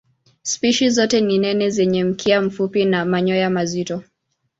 Spishi zote ni nene zenye mkia mfupi na manyoya mazito.